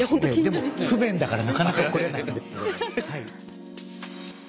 でも不便だからなかなか来れない。